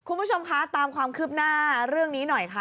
คุณผู้ชมคะตามความคืบหน้าเรื่องนี้หน่อยค่ะ